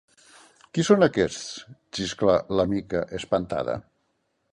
Qui són aquests? —xiscla la Mica, espantada.